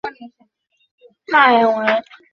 চলো, এখান থেকে বেরানো যাক।